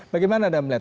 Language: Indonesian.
bagaimana anda melihat